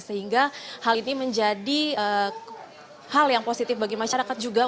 sehingga hal ini menjadi hal yang positif bagi masyarakat juga